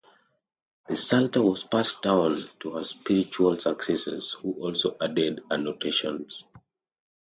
The psalter was passed down to her spiritual successors who also added annotations.